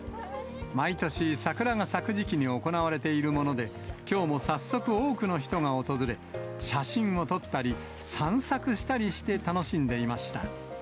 毎年、桜が咲く時期に行われているもので、きょうも早速、多くの人が訪れ、写真を撮ったり、散策したりして、楽しんでいました。